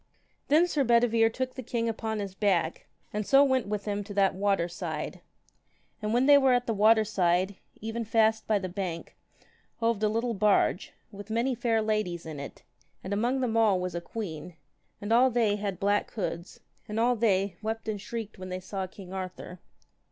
Then Sir Bedivere took the king upon his back, and so went with him to that water side. And when they were at the water side, even fast by the bank hoved a little barge, with many fair ladies in it, and among them all was a queen, and all they had black hoods, and all they wept and shrieked when they saw king Arthur.